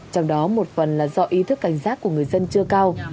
trong đó một phần là do ý thức cảnh giác của người dân chưa cao